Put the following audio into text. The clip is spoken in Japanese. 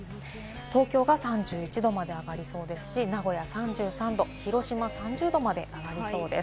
東京が３１度まで上がりそうですし、名古屋は３３度、広島３０度まで上がりそうです。